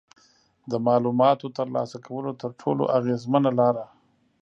د معلوماتو ترلاسه کولو تر ټولو اغیزمنه لاره